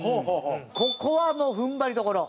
ここはもう踏ん張りどころ。